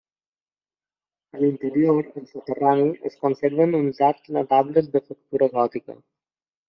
A l'interior, al soterrani, es conserven uns arcs notables de factura gòtica.